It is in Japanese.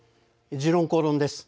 「時論公論」です。